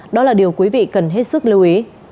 đó là điều quý vị cần hết sức lưu ý